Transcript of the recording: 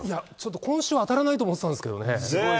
今週は当たらないと思ってたんですけどね。